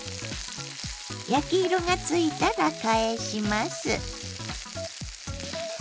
焼き色がついたら返します。